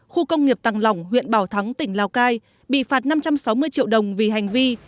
khu công nghiệp tàng lỏng huyện bảo thắng tỉnh lào cai bị phạt năm trăm sáu mươi triệu đồng vì hành vi